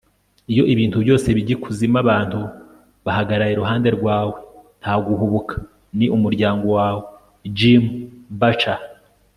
iyo ibintu byose bijya ikuzimu, abantu bahagarara iruhande rwawe nta guhubuka - ni umuryango wawe. - jim butcher